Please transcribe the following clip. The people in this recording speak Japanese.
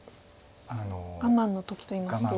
我慢の時といいますと。